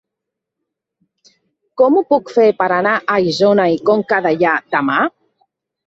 Com ho puc fer per anar a Isona i Conca Dellà demà?